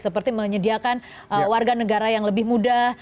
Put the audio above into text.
seperti menyediakan warga negara yang lebih muda